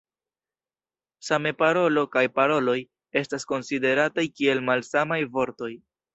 Same "parolo" kaj "paroloj" estas konsiderataj kiel malsamaj vortoj.